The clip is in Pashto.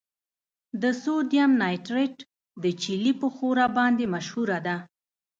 د سوډیم نایټریټ د چیلي په ښوره باندې مشهوره ده.